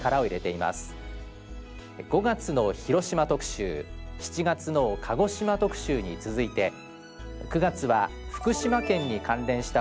５月の広島特集７月の鹿児島特集に続いて９月は福島県に関連した番組を集中編成。